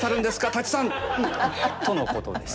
舘さん！」とのことです。